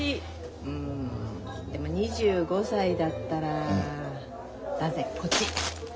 うんでも２５歳だったら断然こっち。